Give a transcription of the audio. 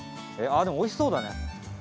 おいしそうだね。